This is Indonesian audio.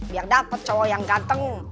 biar dapat cowok yang ganteng